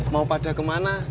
mau pada kemana